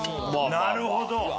なるほど！